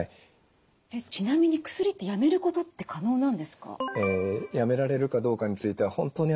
ちなみに薬ってやめることって可能なんですか？